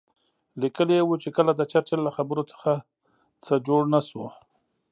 لیکلي یې وو چې که د چرچل له خبرو څه جوړ نه شو.